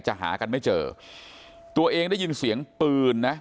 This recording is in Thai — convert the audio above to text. หากันไม่เจอตัวเองได้ยินเสียงปืนนะ